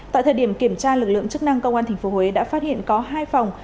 tại thời điểm kiểm tra lực lượng chức năng công an tp huế đã phát hiện có hai phòng